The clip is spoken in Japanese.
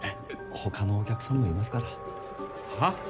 他のお客さんもいますからはぁ？